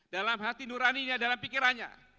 dalam hati nuraninya dalam pikirannya